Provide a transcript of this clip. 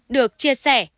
được chia sẻ